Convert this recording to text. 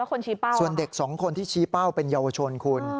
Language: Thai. คนชี้เป้าส่วนเด็กสองคนที่ชี้เป้าเป็นเยาวชนคุณ